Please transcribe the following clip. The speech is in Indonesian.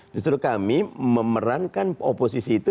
justru kami memerankan oposisi itu